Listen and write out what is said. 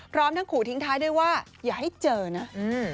พร้อมทั้งขู่ทิ้งท้ายด้วยว่าอย่าให้เจอนะอืม